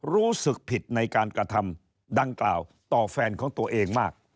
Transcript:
รู้สึกผิดในการกระทำดังกล่าวต่อแฟนของตัวเองมาก